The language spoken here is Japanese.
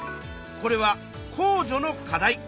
これは公助の課題。